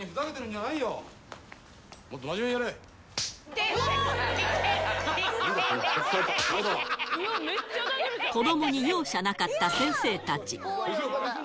なんだ、子どもに容赦なかった先生たち。